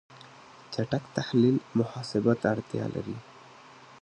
چټک تحلیل محاسبه ته اړتیا لري.